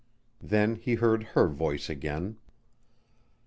Then he heard her voice again.